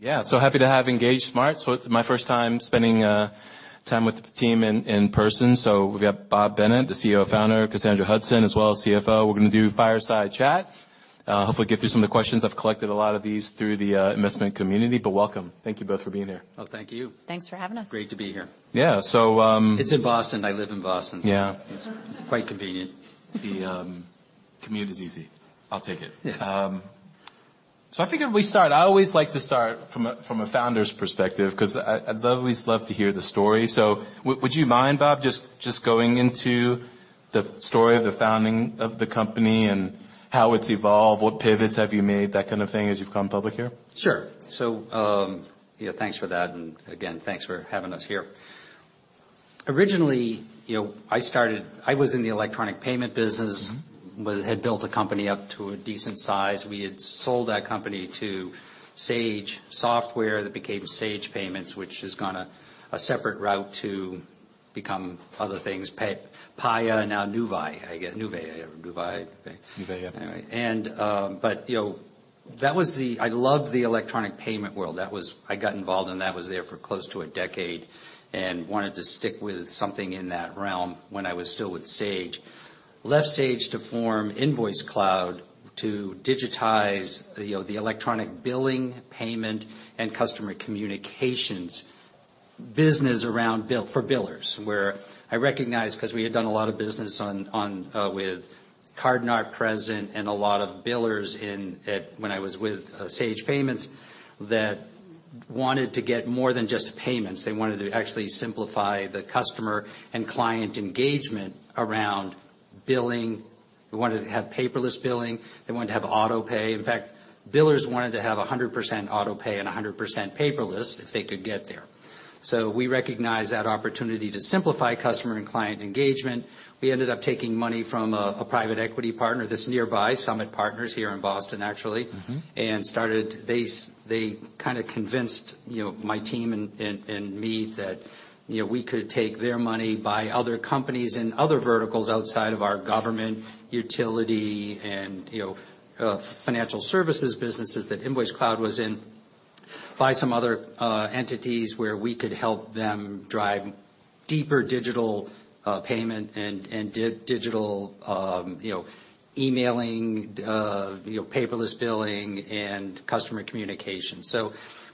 Happy to have EngageSmart. It's my first time spending time with the team in person. We've got Bob Bennett, the CEO founder, Cassandra Hudson, as well as CFO. We're gonna do fireside chat. Hopefully get through some of the questions. I've collected a lot of these through the investment community, but welcome. Thank you both for being here. Oh, thank you. Thanks for having us. Great to be here. Yeah. It's in Boston. I live in Boston. Yeah. It's quite convenient. The commute is easy. I'll take it. Yeah. I figure we start. I always like to start from a founder's perspective 'cause always love to hear the story. Would you mind, Bob, just going into the story of the founding of the company and how it's evolved, what pivots have you made, that kind of thing, as you've gone public here? Sure. yeah, thanks for that, and again, thanks for having us here. Originally, you know, I was in the electronic payment business had built a company up to a decent size. We had sold that company to Sage Software that became Sage Payments, which has gone a separate route to become other things, Paya, now Nuvei, I guess. Nuvei or Nuvei. Nuvei, yeah. You know, I loved the electronic payment world. I got involved in that, was there for close to a decade and wanted to stick with something in that realm when I was still with Sage. Left Sage to form InvoiceCloud to digitize, you know, the electronic billing, payment, and customer communications business around for billers, where I recognized, 'cause we had done a lot of business with Card-not-present and a lot of billers when I was with Sage Payments, that wanted to get more than just payments. They wanted to actually simplify the customer and client engagement around billing. They wanted to have paperless billing. They wanted to have autopay. In fact, billers wanted to have 100% autopay and 100% paperless, if they could get there. We recognized that opportunity to simplify customer and client engagement. We ended up taking money from a private equity partner that's nearby, Summit Partners, here in Boston, actually. They kind of convinced, you know, my team and me that, you know, we could take their money, buy other companies in other verticals outside of our government, utility and financial services businesses that InvoiceCloud was in, buy some other entities where we could help them drive deeper digital payment and digital emailing, paperless billing and customer communication.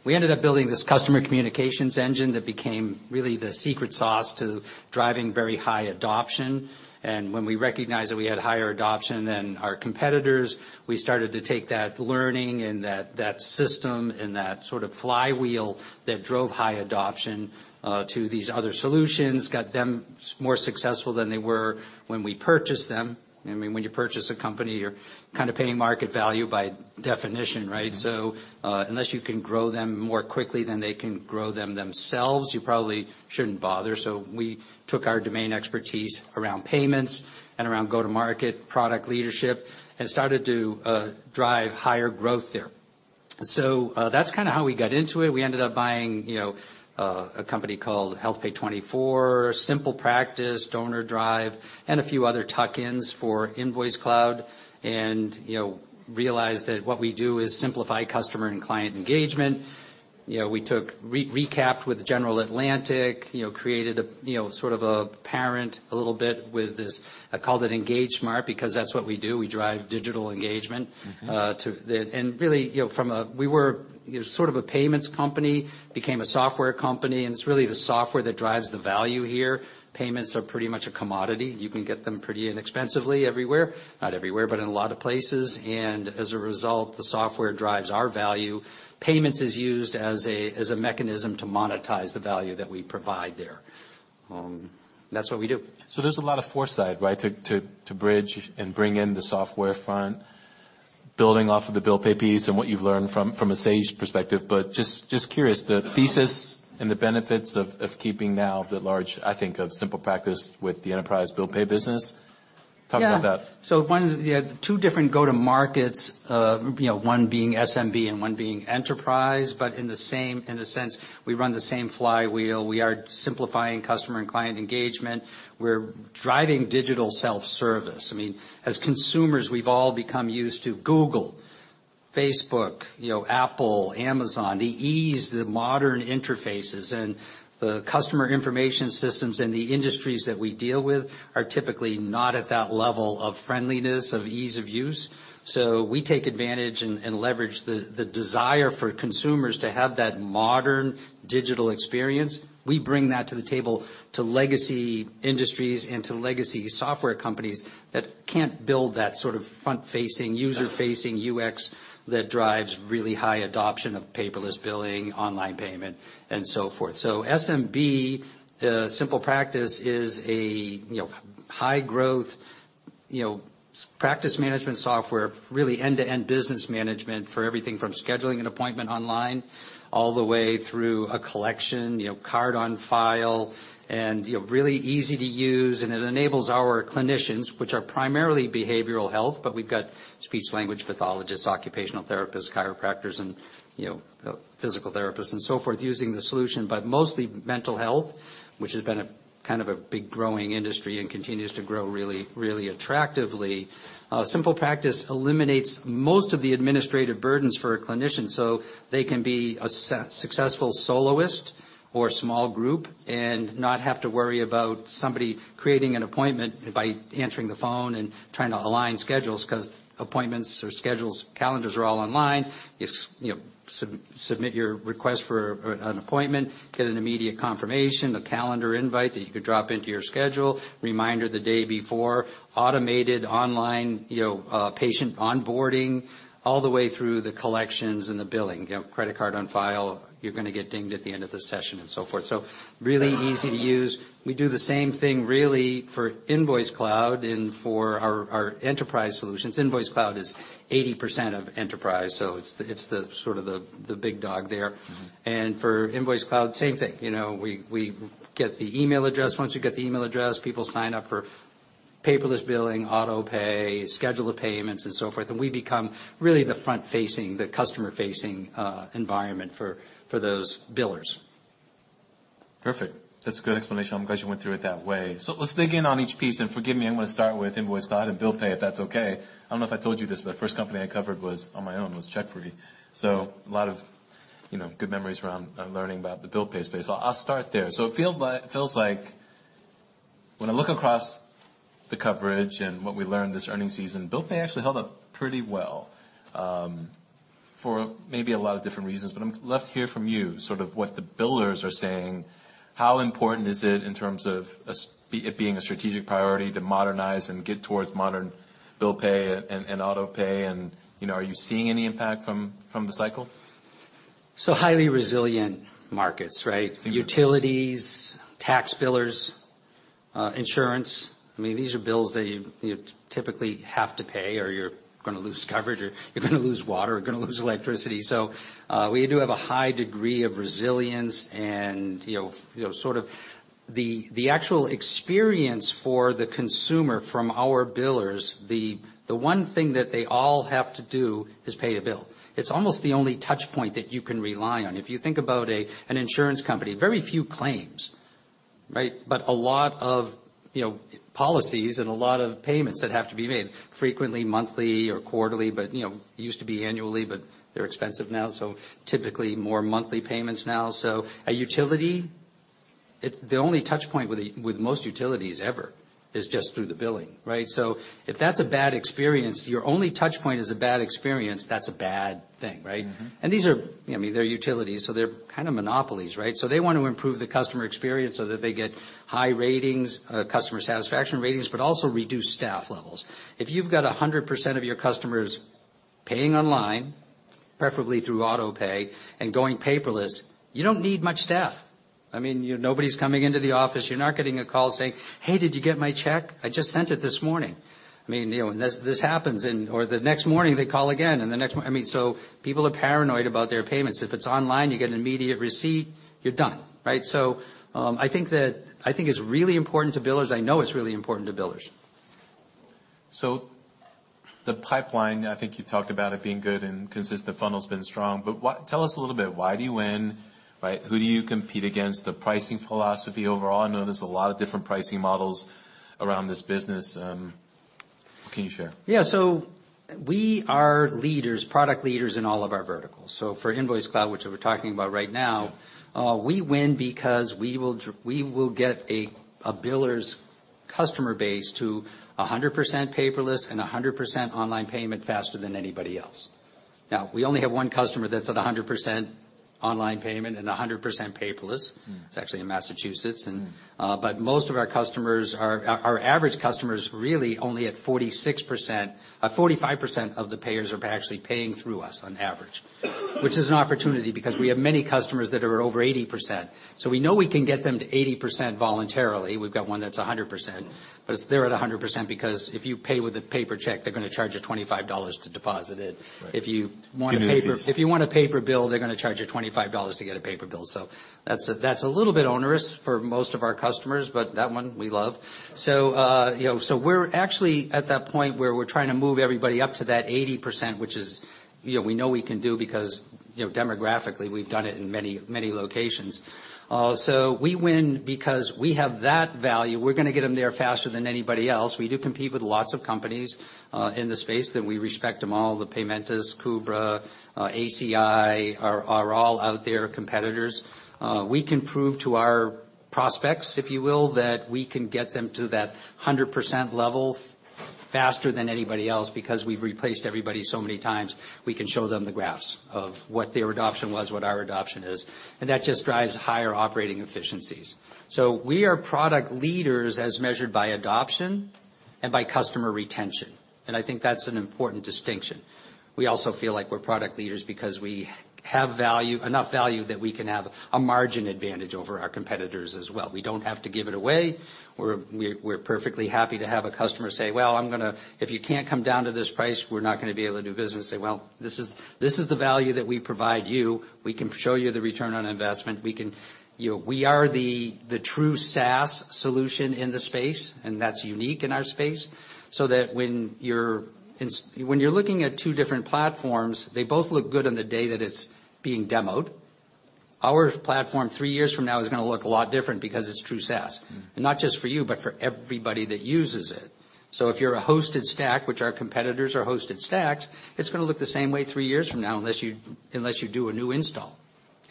We ended up building this customer communications engine that became really the secret sauce to driving very high adoption. When we recognized that we had higher adoption than our competitors, we started to take that learning and that system and that sort of flywheel that drove high adoption to these other solutions, got them more successful than they were when we purchased them. I mean, when you purchase a company, you're kinda paying market value by definition, right? Unless you can grow them more quickly than they can grow them themselves, you probably shouldn't bother. We took our domain expertise around payments and around go-to-market product leadership and started to drive higher growth there. That's kinda how we got into it. We ended up buying, you know, a company called HealthPay24, SimplePractice, DonorDrive, and a few other tuck-ins for InvoiceCloud and, you know, realized that what we do is simplify customer and client engagement. You know, we recapped with General Atlantic, you know, created a, you know, sort of a parent a little bit with this, I called it EngageSmart because that's what we do, we drive digital engagemen to the. Really, you know, from a we were, you know, sort of a payments company, became a software company, and it's really the software that drives the value here. Payments are pretty much a commodity. You can get them pretty inexpensively everywhere. Not everywhere, but in a lot of places. As a result, the software drives our value. Payments is used as a, as a mechanism to monetize the value that we provide there. That's what we do. There's a lot of foresight, right? To bridge and bring in the software front, building off of the bill pay piece and what you've learned from a Sage perspective. Just curious, the thesis and the benefits of keeping now the large, I think, of SimplePractice with the enterprise bill pay business. Talk about that. Two different go-to markets. you know, one being SMB and one being enterprise, in a sense, we run the same flywheel. We are simplifying customer and client engagement. We're driving digital self-service. I mean, as consumers, we've all become used to Google, Facebook, you know, Apple, Amazon, the ease, the modern interfaces. The customer information systems and the industries that we deal with are typically not at that level of friendliness, of ease of use. We take advantage and leverage the desire for consumers to have that modern digital experience. We bring that to the table to legacy industries and to legacy software companies that can't build that sort of front-facing, user-facing UX that drives really high adoption of paperless billing, online payment, and so forth. SMB, SimplePractice is a, you know, high growth, you know, practice management software, really end-to-end business management for everything from scheduling an appointment online all the way through a collection, you know, card on file and, you know, really easy to use, and it enables our clinicians, which are primarily behavioral health, but we've got speech-language pathologists, occupational therapists, chiropractors and, you know, physical therapists and so forth, using the solution. Mostly mental health, which has been Kind of a big growing industry and continues to grow really, really attractively. SimplePractice eliminates most of the administrative burdens for a clinician, so they can be a successful soloist or small group and not have to worry about somebody creating an appointment by answering the phone and trying to align schedules 'cause appointments or schedules, calendars are all online. You know, submit your request for an appointment, get an immediate confirmation, the calendar invite that you could drop into your schedule, reminder the day before, automated online, you know, patient onboarding, all the way through the collections and the billing. You know, credit card on file, you're gonna get dinged at the end of the session, and so forth. Really easy to use. We do the same thing really for InvoiceCloud and for our enterprise solutions. InvoiceCloud is 80% of enterprise, so it's the sort of the big dog there. For InvoiceCloud, same thing. You know, we get the email address. Once you get the email address, people sign up for paperless billing, autopay, scheduler payments, and so forth, and we become really the front-facing, the customer-facing environment for those billers. Perfect. That's a good explanation. I'm glad you went through it that way. Let's dig in on each piece, and forgive me, I'm gonna start with InvoiceCloud and Bill Pay, if that's okay. I don't know if I told you this, but the first company I covered was on my own, was CheckFree. A lot of, you know, good memories around learning about the Bill Pay space. I'll start there. It feels like when I look across the coverage and what we learned this earnings season, Bill Pay actually held up pretty well for maybe a lot of different reasons. love to hear from you, sort of what the billers are saying, how important is it in terms of it being a strategic priority to modernize and get towards modern Bill Pay and autopay and, you know, are you seeing any impact from the cycle? Highly resilient markets, right? Utilities, tax billers, insurance. I mean, these are bills that you typically have to pay or you're gonna lose coverage or you're gonna lose water or gonna lose electricity. We do have a high degree of resilience and, you know, sort of the actual experience for the consumer from our billers, the one thing that they all have to do is pay a bill. It's almost the only touch point that you can rely on. If you think about an insurance company, very few claims, right? A lot of, you know, policies and a lot of payments that have to be made frequently, monthly or quarterly. You know, it used to be annually, but they're expensive now, so typically more monthly payments now. A utility, it's the only touch point with most utilities ever is just through the billing, right? If that's a bad experience, your only touch point is a bad experience, that's a bad thing, right? These are, I mean, they're utilities, so they're kind of monopolies, right? They want to improve the customer experience so that they get high ratings, customer satisfaction ratings, but also reduce staff levels. If you've got 100% of your customers paying online, preferably through AutoPay and going paperless, you don't need much staff. I mean, nobody's coming into the office. You're not getting a call saying, "Hey, did you get my check? I just sent it this morning." I mean, you know, this happens or the next morning, they call again. I mean, so people are paranoid about their payments. If it's online, you get an immediate receipt, you're done, right? I think it's really important to billers. I know it's really important to billers. The pipeline, I think you talked about it being good and consistent funnel's been strong. Tell us a little bit, why do you win, right? Who do you compete against? The pricing philosophy overall. I know there's a lot of different pricing models around this business. What can you share? Yeah. We are leaders, product leaders in all of our verticals. For InvoiceCloud, which we're talking about right now. Yeah. We win because we will get a biller's customer base to 100% paperless and 100% online payment faster than anybody else. Now, we only have one customer that's at 100% online payment and 100% paperless. It's actually in Massachusetts. Most of our customers are. Our average customer is really only at 46%. 45% of the payers are actually paying through us on average, which is an opportunity because we have many customers that are over 80%. We know we can get them to 80% voluntarily. We've got one that's 100%.They're at 100% because if you pay with a paper check, they're gonna charge you $25 to deposit it. Right. If you want a paper. New fees. If you want a paper bill, they're gonna charge you $25 to get a paper bill. That's a little bit onerous for most of our customers, but that one we love. You know, so we're actually at that point where we're trying to move everybody up to that 80%, which is, you know, we know we can do because, you know, demographically, we've done it in many locations. We win because we have that value. We're gonna get them there faster than anybody else. We do compete with lots of companies in the space that we respect them all, the Paymentus, KUBRA, ACI are all out there, competitors. We can prove to our prospects, if you will, that we can get them to that 100% level faster than anybody else because we've replaced everybody so many times, we can show them the graphs of what their adoption was, what our adoption is, and that just drives higher operating efficiencies. We are product leaders as measured by adoption and by customer retention, and I think that's an important distinction. We also feel like we're product leaders because we have value, enough value that we can have a margin advantage over our competitors as well. We don't have to give it away. We're perfectly happy to have a customer say, "Well, if you can't come down to this price, we're not gonna be able to do business." Say, "Well, this is the value that we provide you. We can show you the return on investment. You know, we are the true SaaS solution in the space, and that's unique in our space, so that when you're looking at two different platforms, they both look good on the day that it's being demoed. Our platform three years from now is gonna look a lot different because it's true SaaS. Not just for you, but for everybody that uses it. If you're a hosted stack, which our competitors are hosted stacks, it's gonna look the same way three years from now unless you do a new install.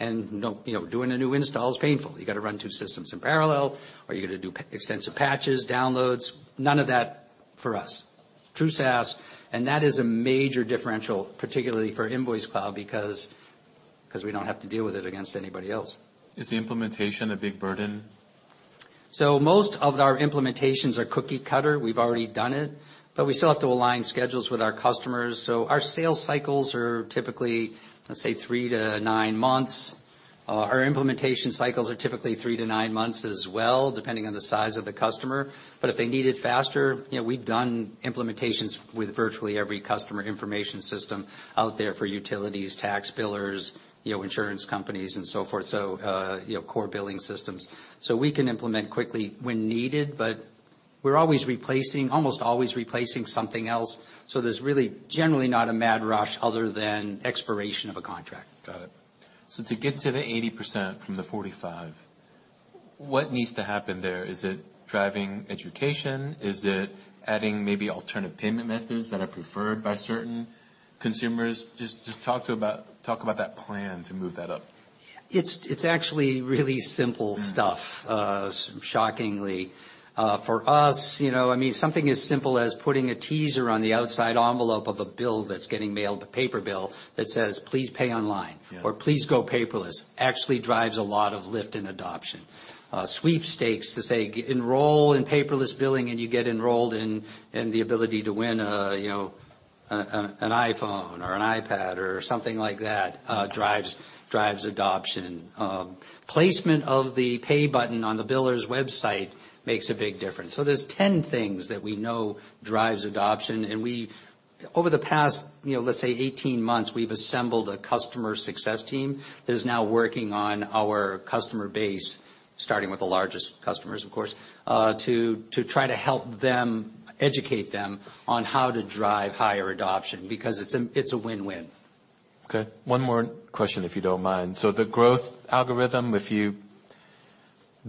No, you know, doing a new install is painful. You gotta run two systems in parallel, or you gotta do extensive patches, downloads. None of that for us. True SaaS, that is a major differential, particularly for InvoiceCloud, because we don't have to deal with it against anybody else. Is the implementation a big burden? Most of our implementations are cookie cutter. We've already done it, but we still have to align schedules with our customers. Our sales cycles are typically, let's say, three to nine months. Our implementation cycles are typically three to nine months as well, depending on the size of the customer. If they need it faster, you know, we've done implementations with virtually every customer information system out there for utilities, tax billers, you know, insurance companies and so forth, so, you know, core billing systems. We can implement quickly when needed, but we're always replacing, almost always replacing something else, so there's really generally not a mad rush other than expiration of a contract. Got it. To get to the 80% from the 45%, what needs to happen there? Is it driving education? Is it adding maybe alternative payment methods that are preferred by certain consumers? Talk about that plan to move that up. It's actually really simple stuff, shockingly. For us, you know, I mean, something as simple as putting a teaser on the outside envelope of a bill that's getting mailed, a paper bill, that says, "Please pay online" Yeah. Or, "Please go paperless," actually drives a lot of lift in adoption. Sweepstakes to say "Enroll in paperless billing," and you get enrolled in the ability to win, you know, an iPhone or an iPad or something like that, drives adoption. Placement of the pay button on the biller's website makes a big difference. There's 10 things that we know drives adoption, and we, over the past, you know, let's say 18 months, we've assembled a customer success team that is now working on our customer base, starting with the largest customers, of course, to try to help them, educate them on how to drive higher adoption because it's a win-win. Okay. One more question if you don't mind. The growth algorithm, if you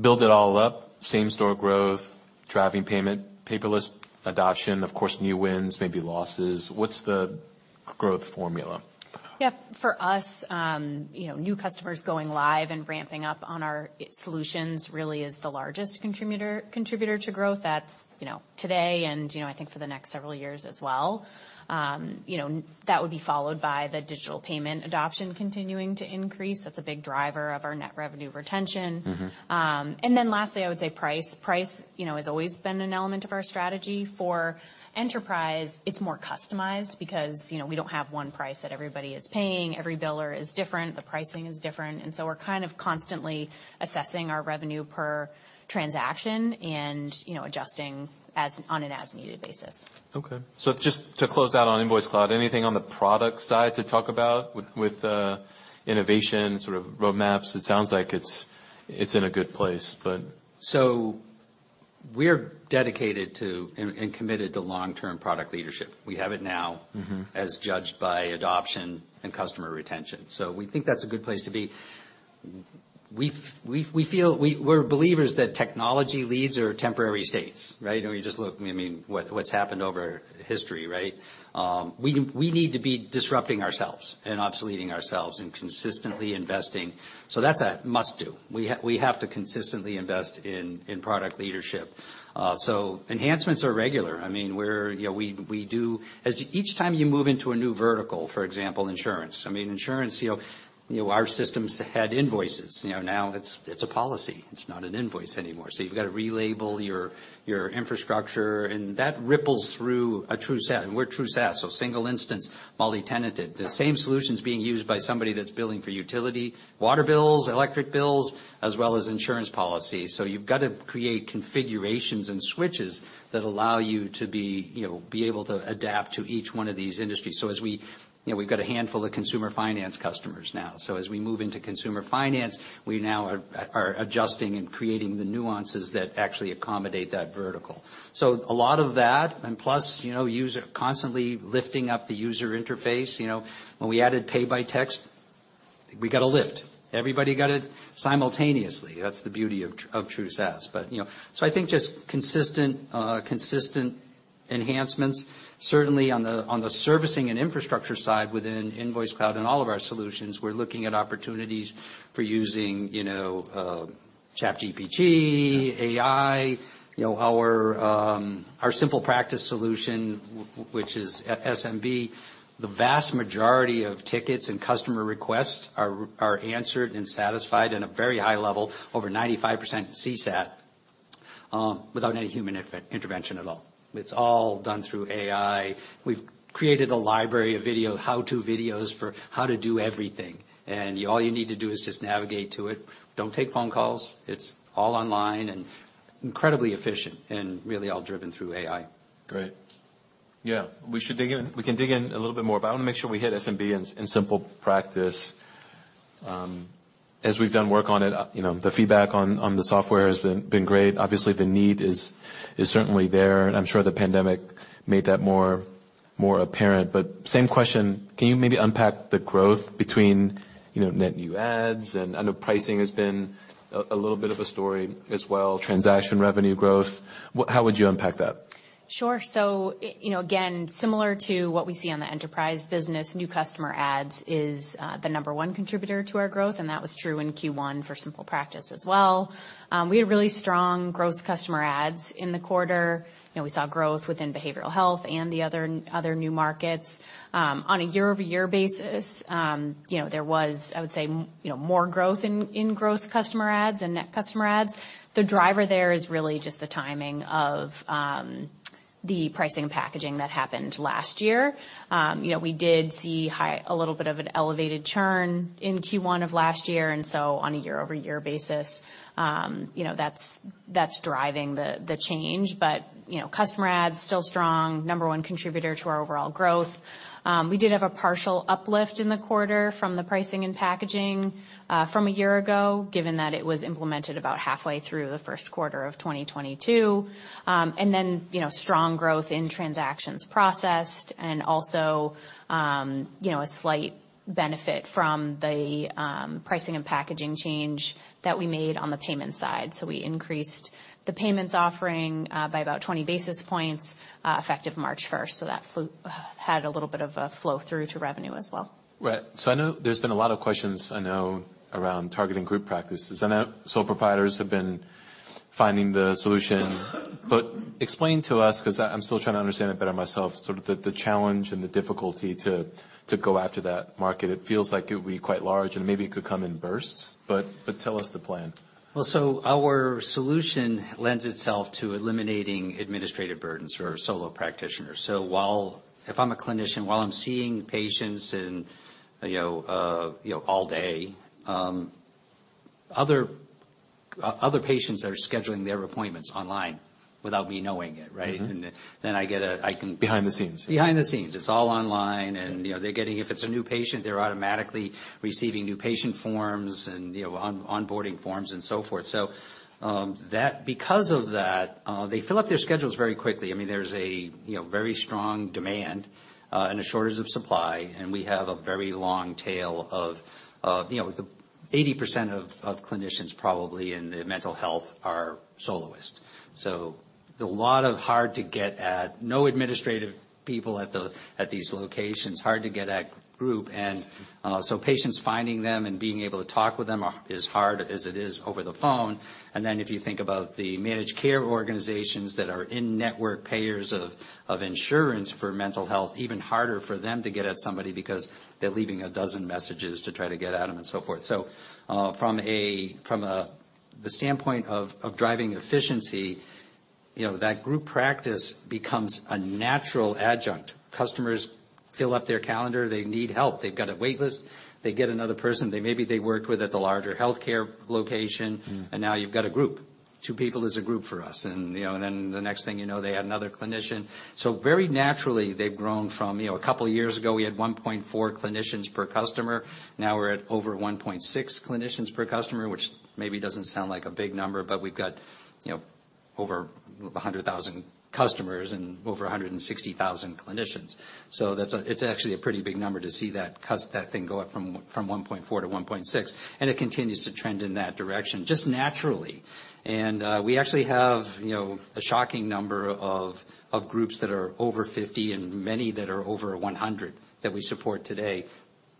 build it all up, same-store growth, driving payment, paperless adoption, of course, new wins, maybe losses, what's the growth formula? Yeah. For us, you know, new customers going live and ramping up on our solutions really is the largest contributor to growth. That's, you know, today and, you know, I think for the next several years as well. You know, that would be followed by the digital payment adoption continuing to increase. That's a big driver of our net revenue retention. Lastly, I would say price. Price, you know, has always been an element of our strategy. For enterprise, it's more customized because, you know, we don't have one price that everybody is paying. Every biller is different. The pricing is different. We're kind of constantly assessing our revenue per transaction and, you know, adjusting on an as-needed basis. Okay. Just to close out on InvoiceCloud, anything on the product side to talk about with innovation, sort of roadmaps? It sounds like it's in a good place, but. We're dedicated to and committed to long-term product leadership. We have it now as judged by adoption and customer retention. We think that's a good place to be. We feel. We're believers that technology leads are temporary states, right? You know, you just look, I mean, what's happened over history, right? We need to be disrupting ourselves and obsoleting ourselves and consistently investing. That's a must-do. We have to consistently invest in product leadership. Enhancements are regular. I mean, we're. You know, we do. As each time you move into a new vertical, for example, insurance. I mean, insurance, you know, our systems had invoices. You know, now it's a policy. It's not an invoice anymore. You've got to relabel your infrastructure, and that ripples through a true SaaS. We're true SaaS, so single instance, multi-tenant. The same solution's being used by somebody that's billing for utility, water bills, electric bills, as well as insurance policies. You've got to create configurations and switches that allow you to be, you know, be able to adapt to each one of these industries. You know, we've got a handful of consumer finance customers now. As we move into consumer finance, we now are adjusting and creating the nuances that actually accommodate that vertical. A lot of that, and plus, you know, user constantly lifting up the user interface. You know, when we added Pay By Text, we got a lift. Everybody got it simultaneously. That's the beauty of true SaaS. You know, I think just consistent enhancements. Certainly, on the servicing and infrastructure side within InvoiceCloud and all of our solutions, we're looking at opportunities for using, you know, ChatGPT, AI. You know, our SimplePractice solution, which is SMB, the vast majority of tickets and customer requests are answered and satisfied in a very high level, over 95% CSAT, without any human intervention at all. It's all done through AI. We've created a library of video, how-to videos for how to do everything, and all you need to do is just navigate to it. Don't take phone calls. It's all online and incredibly efficient and really all driven through AI. Great. Yeah. We can dig in a little bit more, but I wanna make sure we hit SMB and SimplePractice. As we've done work on it, you know, the feedback on the software has been great. Obviously, the need is certainly there, and I'm sure the pandemic made that more apparent. Same question. Can you maybe unpack the growth between, you know, net new ads and I know pricing has been a little bit of a story as well, transaction revenue growth. How would you unpack that? Sure. You know, again, similar to what we see on the enterprise business, new customer ads is the number one contributor to our growth, and that was true in Q1 for SimplePractice as well. We had really strong gross customer ads in the quarter, you know, we saw growth within behavioral health and the other new markets. On a year-over-year basis, you know, there was, I would say, more growth in gross customer ads and net customer ads. The driver there is really just the timing of the pricing and packaging that happened last year. You know, we did see a little bit of an elevated churn in Q1 of last year, on a year-over-year basis, you know, that's driving the change. You know, customer ads still strong, number 1 contributor to our overall growth. We did have a partial uplift in the quarter from the pricing and packaging from a year ago, given that it was implemented about halfway through the first quarter of 2022. You know, strong growth in transactions processed and also, you know, a slight benefit from the pricing and packaging change that we made on the payment side. We increased the payments offering by about 20 basis points effective March first. That had a little bit of a flow through to revenue as well. Right. I know there's been a lot of questions, I know, around targeting group practices. I know sole proprietors have been finding the solution. Explain to us, 'cause I'm still trying to understand it better myself, sort of the challenge and the difficulty to go after that market. It feels like it would be quite large, and maybe it could come in bursts, but tell us the plan? Well, our solution lends itself to eliminating administrative burdens for solo practitioners. While if I'm a clinician, while I'm seeing patients and, you know, you know, all day, other patients are scheduling their appointments online without me knowing it, right? I get a. I can. Behind the scenes. Behind the scenes. It's all online, and you know, they're getting. If it's a new patient, they're automatically receiving new patient forms and, you know, onboarding forms and so forth. Because of that, they fill up their schedules very quickly. I mean, there's a, you know, very strong demand, and a shortage of supply, and we have a very long tail of, you know, the 80% of clinicians probably in the mental health are soloist. A lot of hard to get at, no administrative people at these locations, hard to get at group. Patients finding them and being able to talk with them are as hard as it is over the phone. If you think about the Managed Care Organizations that are in network payers of insurance for mental health, even harder for them to get at somebody because they're leaving 12 messages to try to get at them and so forth. From the standpoint of driving efficiency, you know, that group practice becomes a natural adjunct. Customers fill up their calendar. They need help. They've got a wait list. They get another person. They maybe they worked with at the larger healthcare location. Now you've got a group. Two people is a group for us. The next thing you know, they had another clinician. Very naturally, they've grown from, you know, a couple of years ago, we had 1.4 clinicians per customer. Now we're at over 1.6 clinicians per customer, which maybe doesn't sound like a big number, but we've got, you know, over 100,000 customers and over 160,000 clinicians. That's actually a pretty big number to see that thing go up from 1.4-1.6. It continues to trend in that direction just naturally. We actually have, you know, a shocking number of groups that are over 50 and many that are over 100 that we support today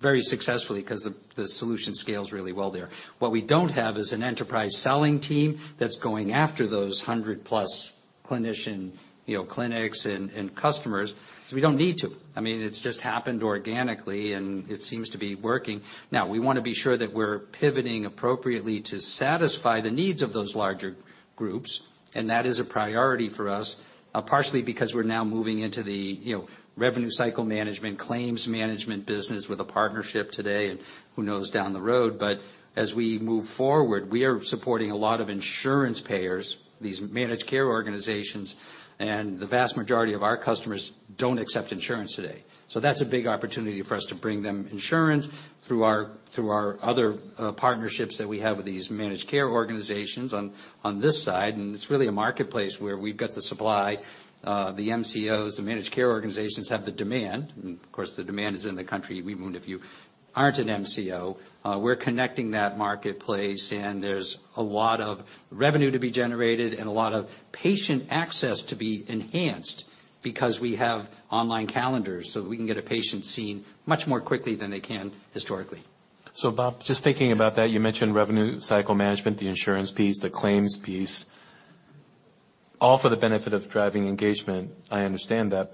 very successfully 'cause the solution scales really well there. What we don't have is an enterprise selling team that's going after those 100+ clinician, you know, clinics and customers, so we don't need to. I mean, it's just happened organically, it seems to be working. Now, we wanna be sure that we're pivoting appropriately to satisfy the needs of those larger groups, and that is a priority for us, partially because we're now moving into the, you know, revenue cycle management, claims management business with a partnership today and who knows down the road. As we move forward, we are supporting a lot of insurance payers, these Managed Care Organizations, and the vast majority of our customers don't accept insurance today. That's a big opportunity for us to bring them insurance through our other partnerships that we have with these Managed Care Organizations on this side. It's really a marketplace where we've got the supply, the MCOs, the Managed Care Organizations have the demand. Of course, the demand is in the country, even if you aren't an MCO. We're connecting that marketplace, and there's a lot of revenue to be generated and a lot of patient access to be enhanced because we have online calendars, so we can get a patient seen much more quickly than they can historically. Bob, just thinking about that, you mentioned revenue cycle management, the insurance piece, the claims piece, all for the benefit of driving engagement. I understand that,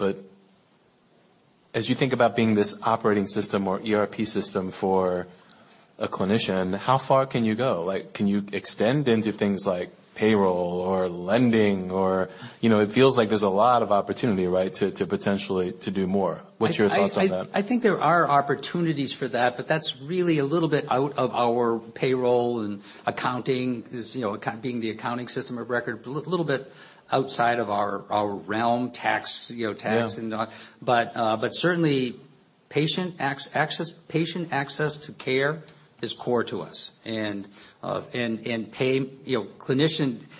as you think about being this operating system or ERP system for a clinician, how far can you go? Like, can you extend into things like payroll or lending? You know, it feels like there's a lot of opportunity, right, to potentially do more. What's your thoughts on that? I think there are opportunities for that, but that's really a little bit out of our payroll and accounting. Is, you know, being the accounting system of record, a little bit outside of our realm, tax, you know, tax and all. Yeah. Certainly patient access to care is core to us. Pay, you know,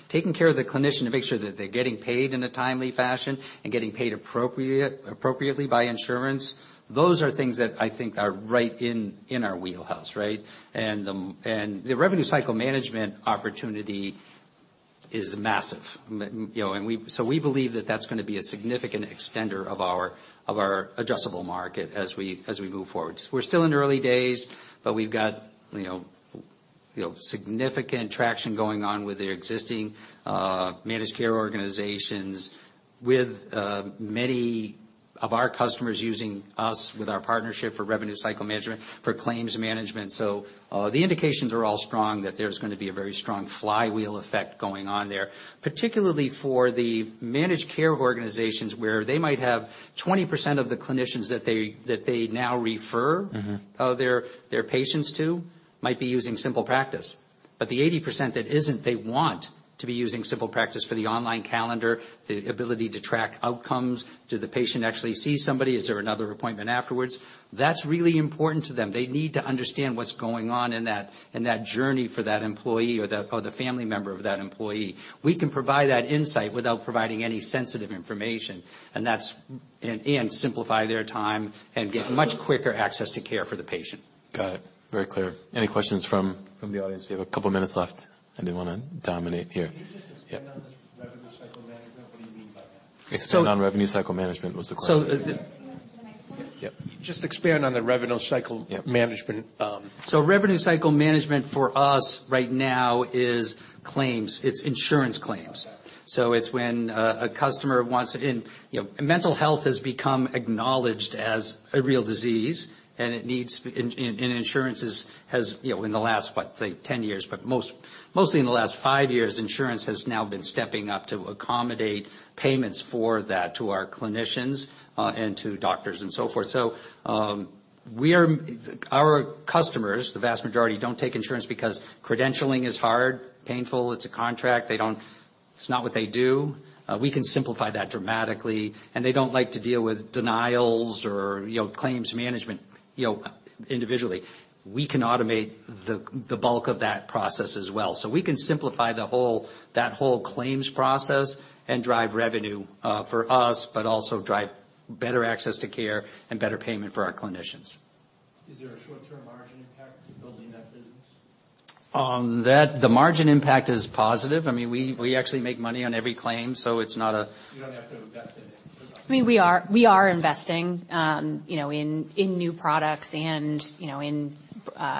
Taking care of the clinician to make sure that they're getting paid in a timely fashion and getting paid appropriately by insurance, those are things that I think are right in our wheelhouse, right? The revenue cycle management opportunity is massive. you know, we believe that that's gonna be a significant extender of our, of our adjustable market as we, as we move forward. We're still in the early days. We've got, you know, significant traction going on with the existing Managed Care Organizations, with many of our customers using us with our partnership for revenue cycle management, for claims management. The indications are all strong that there's gonna be a very strong flywheel effect going on there, particularly for the Managed Care Organizations where they might have 20% of the clinicians that they now refer their patients to, might be using SimplePractice. The 80% that isn't, they want to be using SimplePractice for the online calendar, the ability to track outcomes. Do the patient actually see somebody? Is there another appointment afterwards? That's really important to them. They need to understand what's going on in that journey for that employee or the family member of that employee. We can provide that insight without providing any sensitive information, simplify their time and get much quicker access to care for the patient. Got it. Very clear. Any questions from the audience? We have a couple minutes left. Anybody wanna dominate here? Can you just expand on the revenue cycle management? What do you mean by that? Expand on revenue cycle management was the question. The. Can you use the microphone? Yep. Just expand on the revenue cycle Yep. management. So revenue cycle management for us right now is claims. It's insurance claims. Okay. It's when a customer wants. You know, mental health has become acknowledged as a real disease, and it needs. Insurance is, has, you know, in the last, what, say 10 years, but most, mostly in the last five years, insurance has now been stepping up to accommodate payments for that to our clinicians and to doctors and so forth. We are. Our customers, the vast majority, don't take insurance because credentialing is hard, painful. It's a contract. They don't. It's not what they do. We can simplify that dramatically, and they don't like to deal with denials or, you know, claims management, you know, individually. We can automate the bulk of that process as well. We can simplify that whole claims process and drive revenue for us, but also drive better access to care and better payment for our clinicians. Is there a short-term margin impact to building that business? That, the margin impact is positive. I mean, we actually make money on every claim, so it's not. You don't have to invest in it to drive I mean, we are investing, you know, in new products and, you know, in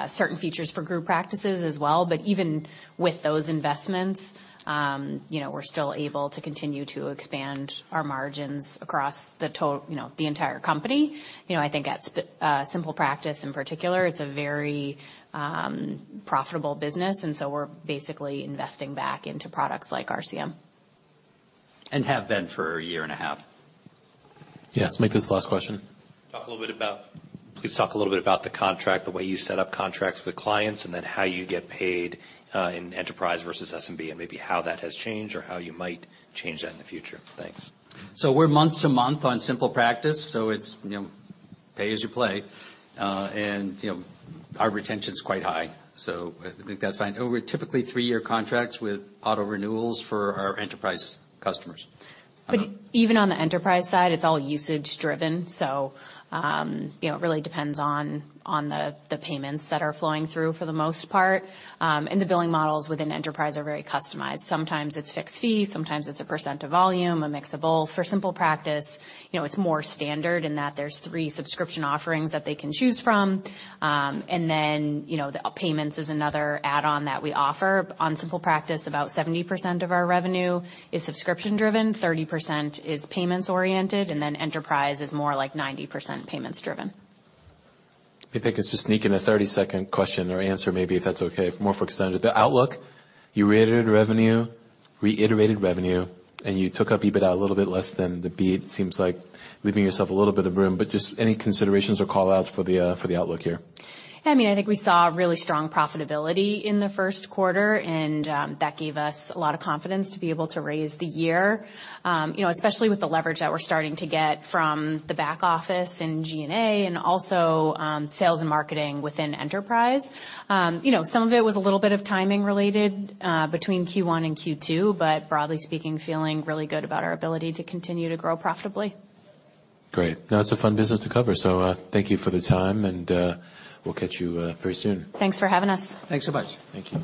certain features for group practices as well. Even with those investments, you know, we're still able to continue to expand our margins across the entire company. You know, I think at SimplePractice in particular, it's a very profitable business, and so we're basically investing back into products like RCM. Have been for a year and a half. Yes. Make this the last question. Please talk a little bit about the contract, the way you set up contracts with clients, and then how you get paid in enterprise versus SMB, and maybe how that has changed or how you might change that in the future. Thanks. We're month-to-month on SimplePractice, so it's, you know, pay as you play. You know, our retention's quite high, so I think that's fine. Over typically 3-year contracts with auto renewals for our enterprise customers. Even on the enterprise side, it's all usage driven, so, you know, it really depends on the payments that are flowing through for the most part. And the billing models within enterprise are very customized. Sometimes it's fixed fee, sometimes it's a percent of volume, a mix of both. For SimplePractice, you know, it's more standard in that there's 3 subscription offerings that they can choose from. And then, you know, the payments is another add-on that we offer. On SimplePractice, about 70% of our revenue is subscription driven, 30% is payments oriented, and then enterprise is more like 90% payments driven. Maybe I could just sneak in a 30-second question or answer maybe if that's okay. More focused on the outlook. You reiterated revenue, and you took up EBITDA a little bit less than the beat. It seems like leaving yourself a little bit of room, but just any considerations or call outs for the for the outlook here? I mean, I think we saw really strong profitability in the first quarter, and that gave us a lot of confidence to be able to raise the year. You know, especially with the leverage that we're starting to get from the back office and G&A, and also sales and marketing within enterprise. You know, some of it was a little bit of timing related between Q1 and Q2, but broadly speaking, feeling really good about our ability to continue to grow profitably. Great. No, it's a fun business to cover. Thank you for the time, and we'll catch you very soon. Thanks for having us. Thanks so much. Thank you.